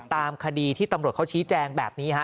ตามคดีที่ตำรวจเขาชี้แจงแบบนี้ฮะ